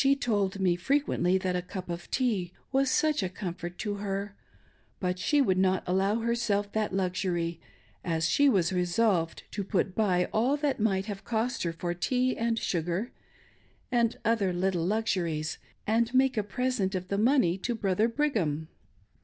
She told me fi'equently that a cup of tea was " such a coittf ort to her ;" but she would not allow herself that luxury, as she was resolved to put by all that it might have cost her for tea, and sugar, and other little luxuries, and make a present 0f the money to Brother Brigham.